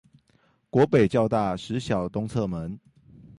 國北教大實小東側門